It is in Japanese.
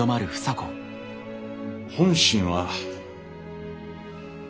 本心は。